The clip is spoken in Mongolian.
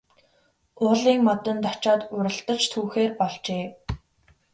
Уулын модонд очоод уралдаж түүхээр болжээ.